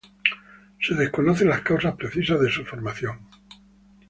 Se desconocen las causa precisas de su formación.